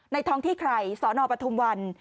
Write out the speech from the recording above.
ในท้องที่ใครสปฐมวัน